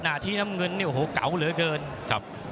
ที่น้ำเงินเนี่ยโอ้โหเก๋าเหลือเกินครับ